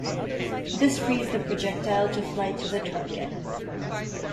This frees the projectile to fly to the target.